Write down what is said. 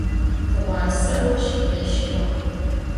Tığuase voşx khêşxığ.